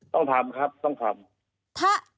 ต้องทำครับต้องทำ